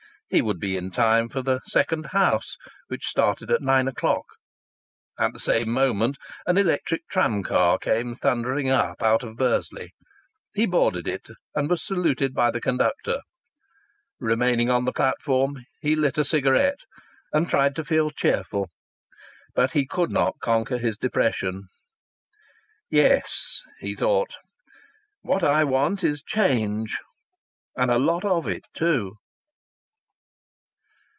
He would be in time for the "second house," which started at nine o'clock. At the same moment an electric tram car came thundering up out of Bursley. He boarded it and was saluted by the conductor. Remaining on the platform he lit a cigarette and tried to feel cheerful. But he could not conquer his depression. "Yes," he thought, "what I want is change and a lot of it, too!"